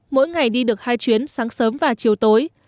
mỗi ngày đi được hai chuyến sáng sớm và chiều tối